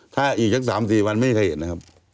ถ้าอีกสัก๓๔วันไม่เคยเห็นนะครับ